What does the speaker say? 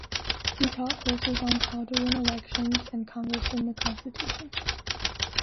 He taught courses on "How to Win Elections" and "Congress and the Constitution.